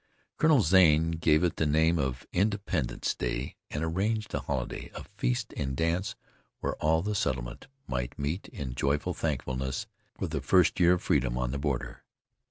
Colonel Zane gave it the name of "Independence Day," and arranged a holiday, a feast and dance where all the settlement might meet in joyful thankfulness for the first year of freedom on the border.